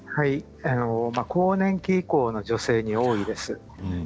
更年期以降の女性に多いです。